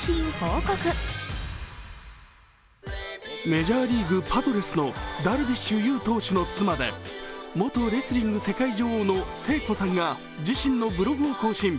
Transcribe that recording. メジャーリーグ・パドレスのダルビッシュ有の妻で、元レスリング世界女王の聖子さんが自身のブログを更新。